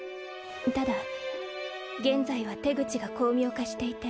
ただ現在は手口が巧妙化していて